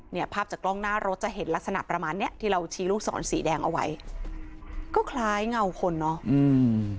ภาพจากกล้องหน้ารถจะเห็นลักษณะประมาณเนี้ยที่เราชี้ลูกศรสีแดงเอาไว้ก็คล้ายเงาคนเนอะอืม